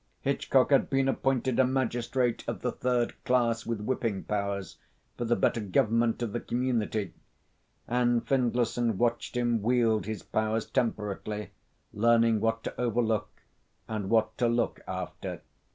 Hitchcock had been appointed a magistrate of the third class with whipping powers, for the better government of the community, and Findlayson watched him wield his powers temperately, learning what to overlook and what to look after.